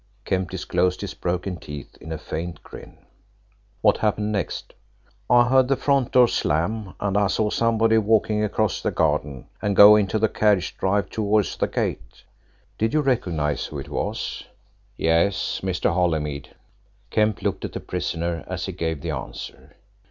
Kemp disclosed his broken teeth in a faint grin. "What happened next?" "I heard the front door slam, and I saw somebody walking across the garden, and go into the carriage drive towards the gate." "Did you recognise who it was?" "Yes; Mr. Holymead." Kemp looked at the prisoner as he gave the answer.